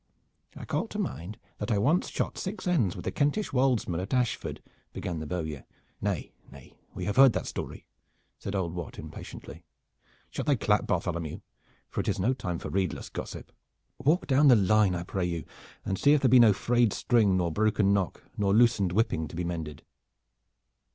"I call to mind that I once shot six ends with a Kentish woldsman at Ashford " began the Bowyer. "Nay, nay, we have heard that story!" said old Wat impatiently. "Shut thy clap, Bartholomew, for it is no time for redeless gossip! Walk down the line, I pray you, and see if there be no frayed string, nor broken nock nor loosened whipping to be mended."